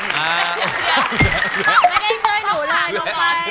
ไม่ได้ช่วยหนูถ่ายลงไป